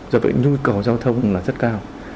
do vậy nhu cầu giao thông là rất cao